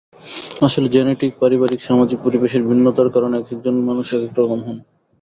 আসলে জেনেটিক, পারিবারিক, সামাজিক পরিবেশের ভিন্নতার কারণে একেকজন মানুষ একেক রকম হন।